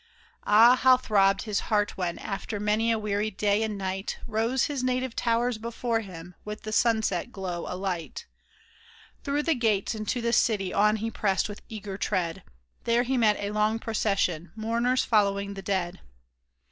Ah ! how throbbed his heart when, after many a weary day and night. Rose his native towers before him, with the sunset glow alight ! Through the gates into the city on he pressed with eager tread ; There he met a long procession — mourners following the dead.